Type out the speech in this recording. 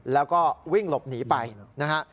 แล้วก็วิ่งหลบหนีไปนะฮะ